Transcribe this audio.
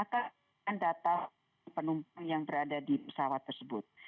akan data penumpang yang berada di pesawat tersebut